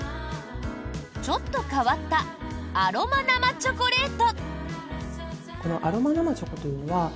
ちょっと変わったアロマ生チョコレート。